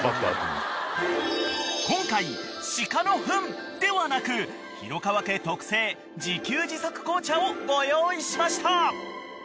［今回鹿のふんではなく廣川家特製自給自足紅茶をご用意しました］